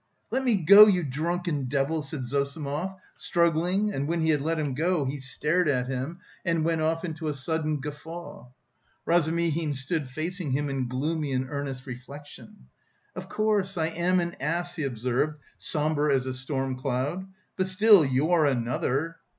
"Let me go, you drunken devil," said Zossimov, struggling and when he had let him go, he stared at him and went off into a sudden guffaw. Razumihin stood facing him in gloomy and earnest reflection. "Of course, I am an ass," he observed, sombre as a storm cloud, "but still... you are another."